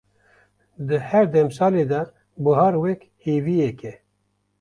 di her demsalê de bihar wek hêviyeke